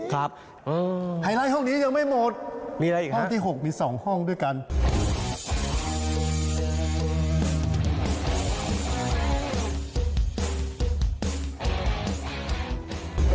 ครับหายไลท์ห้องนี้ยังไม่หมดห้องที่๖มี๒ห้องด้วยกันมีอะไรอีกครับ